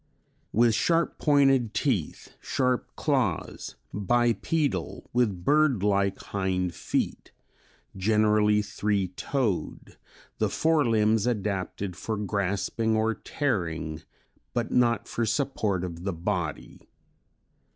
With sharp pointed teeth, sharp claws; bipedal, with bird like hind feet, generally three toed; the fore limbs adapted for grasping or tearing, but not for support of the body.